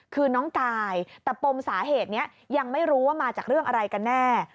คือน้องกายแต่ปมสาเหตุนี้ยังไม่รู้ว่ามาจากเรื่องอะไรกันแน่